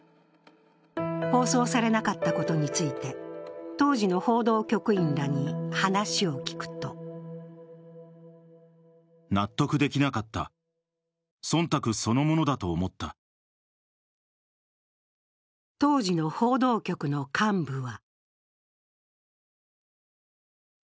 放送されなかったことについて、当時の報道局員らに話を聞くと当時の報道局の幹部は。